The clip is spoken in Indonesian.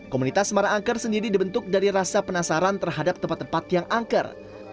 komunitas semarang angker sendiri dibentuk dari rasa penasaran terhadap tempat tempat yang angker